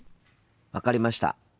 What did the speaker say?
分かりました。